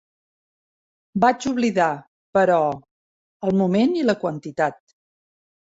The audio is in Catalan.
Vaig oblidar, però, el moment i la quantitat.